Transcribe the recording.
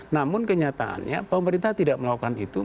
namun kenyataannya pemerintah tidak melakukan itu